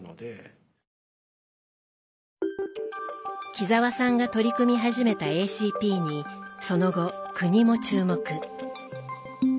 木澤さんが取り組み始めたＡＣＰにその後国も注目。